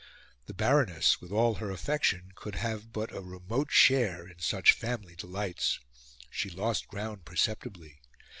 The Baroness, with all her affection, could have but a remote share in such family delights. She lost ground perceptibly.